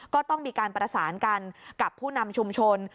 ก็ต้องมีการประสานกันกับผู้นำชุมชน